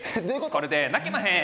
これで泣けまへん！